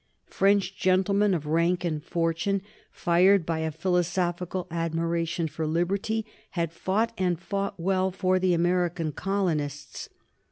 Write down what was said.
French gentlemen of rank and fortune, fired by a philosophic admiration for liberty, had fought and fought well for the American colonists.